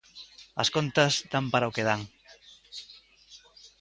As contas dan para o que dan.